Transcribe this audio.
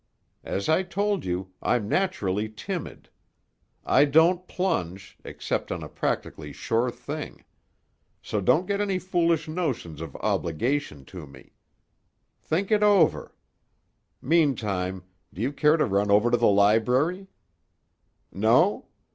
As I told you, I'm naturally timid. I don't plunge, except on a practically sure thing. So don't get any foolish notions of obligation to me. Think it over. Meantime, do you care to run over to the library? No?